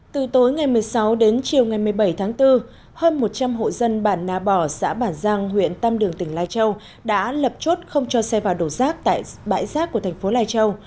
từ tối ngày một mươi sáu đến chiều ngày một mươi bảy tháng bốn hơn một trăm linh hộ dân bản na bò xã bản giang huyện tam đường tỉnh lai châu đã lập chốt không cho xe vào đổ rác tại bãi rác của thành phố lai châu